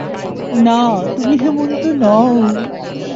না, তুমি হেমন্ত নও।